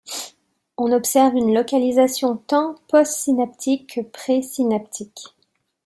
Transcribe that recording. On observe une localisation tant postsynaptique que présynaptique.